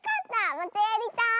またやりたい！